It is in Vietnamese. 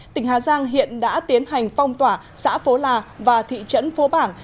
tỉnh hà giang hiện đã tiến hành phong tỏa xã phố là và thị trấn phố bảng